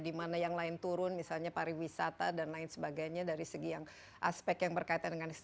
dimana yang lain turun misalnya pariwisata dan lain sebagainya dari segi yang aspek yang berkaitan dengan